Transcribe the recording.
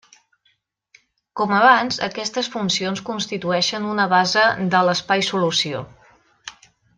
Com abans, aquestes funcions constitueixen una base de l'espai solució.